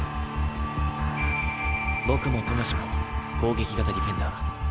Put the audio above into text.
僕も冨樫も攻撃型ディフェンダー。